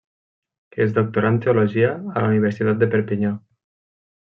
Es doctorà en teologia a la universitat de Perpinyà.